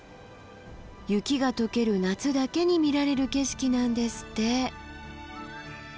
雪が解ける夏だけに見られる景色なんですって。